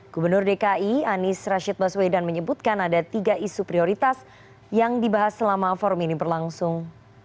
gubernur dki anies rashid baswedan menyebutkan ada tiga isu prioritas yang dibahas selama forum ini berlangsung